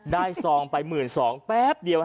ได้ซองไป๑๒๐๐๐บาทแป๊บเดียว